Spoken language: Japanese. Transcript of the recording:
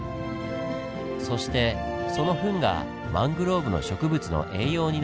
そしてそのフンがマングローブの植物の栄養になります。